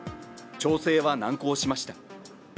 調整は難航しました。